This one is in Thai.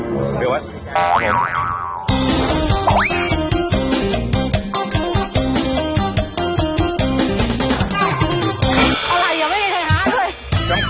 อะไรอ่ะไม่มีใครหาด้วย